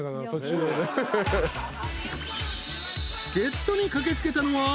［助っ人に駆け付けたのは］